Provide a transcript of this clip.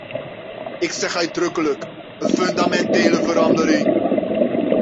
Ik zeg uitdrukkelijk: een fundamentele verandering.